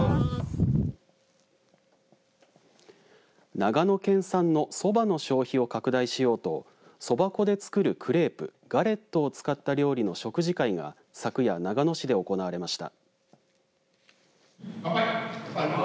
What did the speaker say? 長野県産のそばの消費を拡大しようとそば粉で作るクレープガレットを使った料理の食事会が昨夜、長野市で行われました。